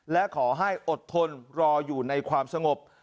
และขอให้อดทนรออยู่ในความสงบ